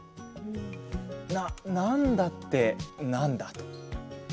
な、「なんだ」ってなんだ？